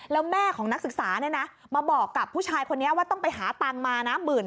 แล้วแม่ของนักศึกษามาบอกกับผู้ชายคนนี้ว่าต้องไปหาตังค์มานะ